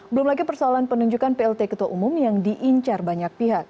belum lagi persoalan penunjukan plt ketua umum yang diincar banyak pihak